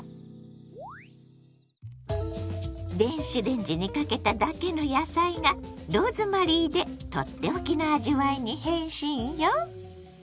電子レンジにかけただけの野菜がローズマリーでとっておきの味わいに変身よ。